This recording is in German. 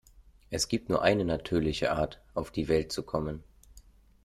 Es gibt nur eine natürliche Art, auf die Welt zu kommen.